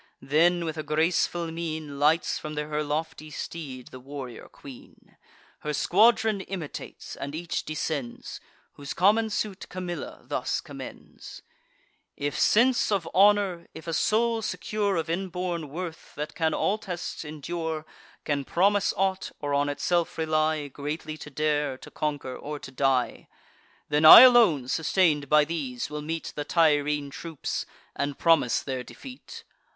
Then, with a graceful mien, Lights from her lofty steed the warrior queen: Her squadron imitates, and each descends; Whose common suit Camilla thus commends: "If sense of honour, if a soul secure Of inborn worth, that can all tests endure, Can promise aught, or on itself rely Greatly to dare, to conquer or to die; Then, I alone, sustain'd by these, will meet The Tyrrhene troops, and promise their defeat.